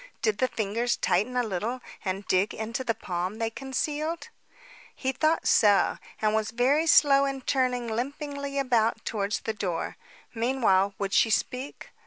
Did the fingers tighten a little and dig into the palm they concealed? He thought so, and was very slow in turning limpingly about towards the door. Meanwhile, would she speak?